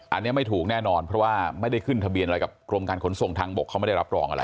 อันนี้ไม่ถูกแน่นอนเพราะว่าไม่ได้ขึ้นทะเบียนอะไรกับกรมการขนส่งทางบกเขาไม่ได้รับรองอะไร